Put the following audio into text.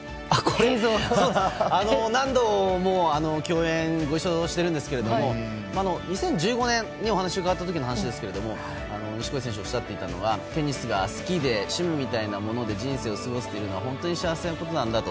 何度も共演してご一緒しているんですけど２０１５年にお話を伺った時の話ですが錦織選手がおっしゃっていたのはテニスが好きで趣味みたいなもので人生を過ごすというのは本当に幸せなことなんだと。